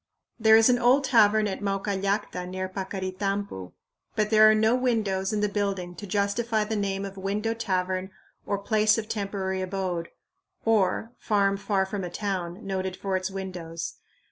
There is an old tavern at Maucallacta near Paccaritampu, but there are no windows in the building to justify the name of "window tavern" or "place of temporary abode" (or "farm far from a town") "noted for its windows."